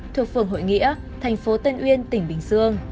thuộc phường hội nghĩa thành phố tân uyên tỉnh bình dương